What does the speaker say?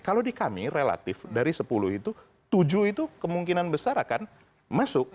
kalau di kami relatif dari sepuluh itu tujuh itu kemungkinan besar akan masuk